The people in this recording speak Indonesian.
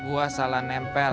gue salah nempel